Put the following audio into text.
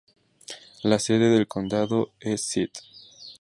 La sede del condado es St.